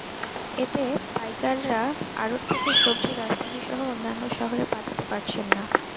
এতে পাইকাররা আড়ত থেকে সবজি রাজধানীসহ অন্যান্য শহরে পাঠাতে পারছেন না।